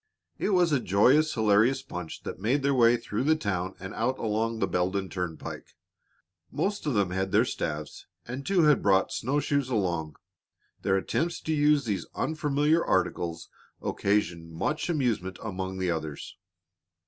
It was a joyous, hilarious bunch that made their way through the town and out along the Beldon Turnpike. Most of them had their staves, and two had brought snow shoes along. Their attempts to use these unfamiliar articles occasioned much amusement among the others.